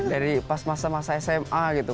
dari pas masa masa sma gitu